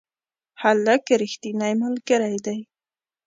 هلک رښتینی ملګری دی.